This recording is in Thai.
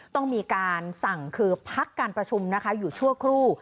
ต้องมีการสั่งคือพักการประชุมนะคะอยู่ชั่วครู่